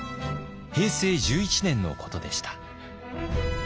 平成１１年のことでした。